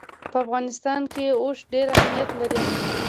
په افغانستان کې اوښ ډېر اهمیت لري.